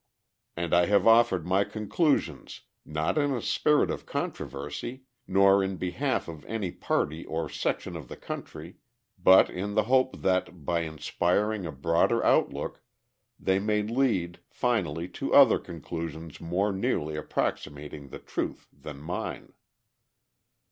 And I have offered my conclusions, not in a spirit of controversy, nor in behalf of any party or section of the country, but in the hope that, by inspiring a broader outlook, they may lead, finally, to other conclusions more nearly approximating the truth than mine.